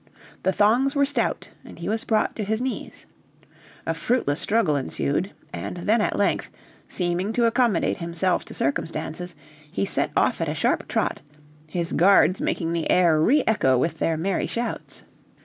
The thongs were stout, and he was brought to his knees. A fruitless struggle ensued, and then at length, seeming to accommodate himself to circumstances, he set off at a sharp trot, his guards making the air re echo with their merry shouts.